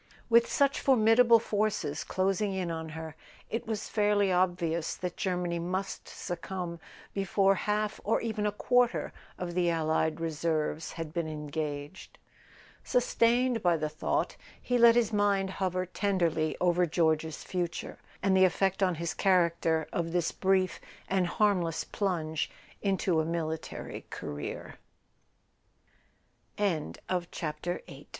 With such formidable forces closing in on her it was fairly obvious that Germany must succumb before half or even a quarter of the allied reserves had been engaged. Sus¬ tained by the thought, he let his mind hover tenderly over George's future, and the effect on his character of this bri